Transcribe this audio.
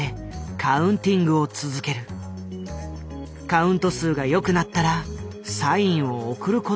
カウント数が良くなったらサインを送ることになっていた。